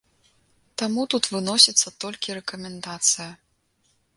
Таму тут выносіцца толькі рэкамендацыя.